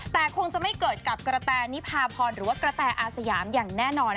แต่คงจะไม่เกิดกับกระแตนิพาพรหรือว่ากระแตอาสยามอย่างแน่นอน